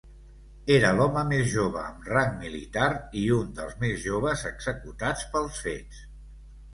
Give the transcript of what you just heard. Era l'home més jove amb rang militar i un dels més joves executats pels fets.